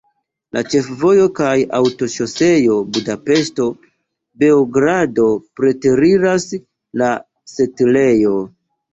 Ĉefvojo kaj aŭtoŝoseo Budapeŝto-Beogrado preteriras la setlejon.